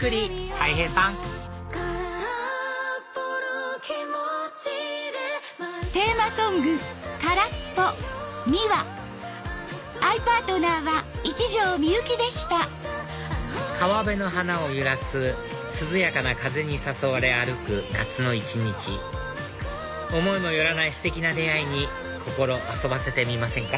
たい平さん川辺の花を揺らす涼やかな風に誘われ歩く夏の一日思いも寄らないステキな出会いに心遊ばせてみませんか？